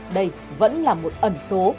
đây vẫn là một ẩn số